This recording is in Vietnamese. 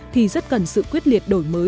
thì rất cần sự quyết liệt đổi mới